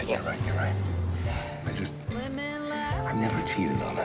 saya tidak pernah menipu dengan keluarga saya